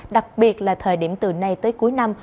đặc biệt là thời điểm từ nay tới cuối năm